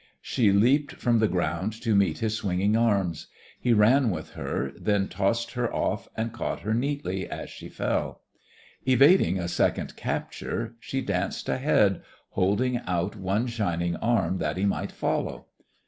She leaped from the ground to meet his swinging arms. He ran with her, then tossed her off and caught her neatly as she fell. Evading a second capture, she danced ahead, holding out one shining arm that he might follow.